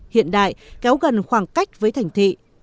hiện đại kéo gần khoảng cách với thảnh thị